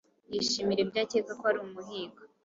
Yishimira ibyo akeka ko ari umuhigo